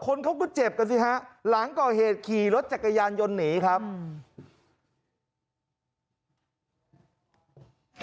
คนเขาก็เจ็บกันสิฮะหลังก่อเหตุขี่รถจักรยานยนต์หนีครับอืม